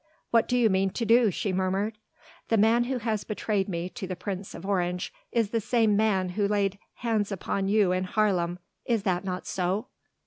"What do you mean to do?" she murmured. "The man who has betrayed me to the Prince of Orange is the same man who laid hands upon you in Haarlem is that not so?"